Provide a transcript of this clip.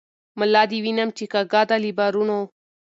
ملا دي وینم چی کږه ده له بارونو